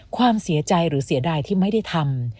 ความเสียใจหรือเสียดายที่ไม่ได้ทำ